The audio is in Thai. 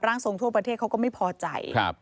ทรงทั่วประเทศเขาก็ไม่พอใจ